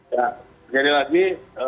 ya seperti ini lagi